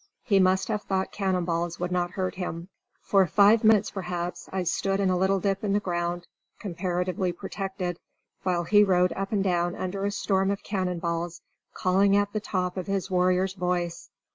He must have thought cannonballs would not hurt him. For five minutes, perhaps, I stood in a little dip in the ground, comparatively protected, while he rode up and down under a storm of cannonballs, calling at the top of his warrior's voice.